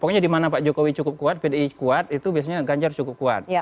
pokoknya di mana pak jokowi cukup kuat pdi kuat itu biasanya ganjar cukup kuat